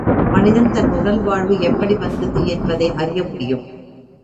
மனிதன் தன் உடல் வாழ்வு எப்படி வந்தது என்பதை அறிய முடியும்.